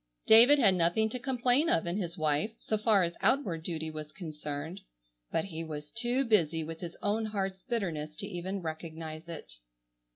David had nothing to complain of in his wife, so far as outward duty was concerned, but he was too busy with his own heart's bitterness to even recognize it.